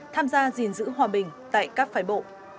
tham gia gìn giữ hòa bình tại các phái bộ